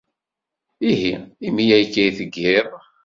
Ihi, imi akka i tgiḍ.